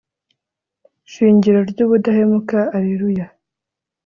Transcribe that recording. shingiro ry'ubudahemuka, allelua